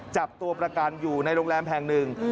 จับตัวประกันอยู่ในโรงแรมแห่งหนึ่ง